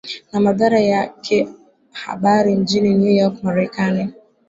na madhara yakeahabari mjini New York Marekani